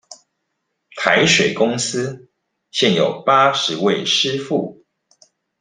台水公司現有八十位師傅